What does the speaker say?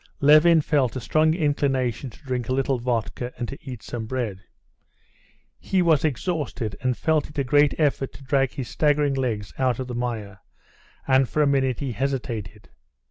Levin felt a strong inclination to drink a little vodka and to eat some bread. He was exhausted, and felt it a great effort to drag his staggering legs out of the mire, and for a minute he hesitated.